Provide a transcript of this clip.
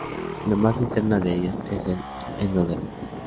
La más interna de ellas es el endodermo.